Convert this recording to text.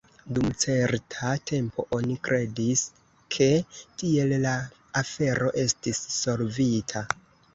Dum certa tempo oni kredis, ke tiel la afero estis solvita.